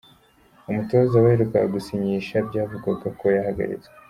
Umutoza baherukaga gusinyisha byavugwaga ko yahagaritswe.